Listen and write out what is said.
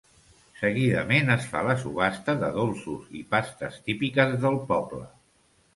Seguidament es fa la subhasta de dolços i pastes típiques del poble.